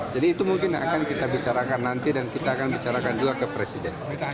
jadi itu mungkin akan kita bicarakan nanti dan kita akan bicarakan juga ke presiden